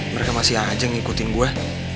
mereka masih aja ngikutin gue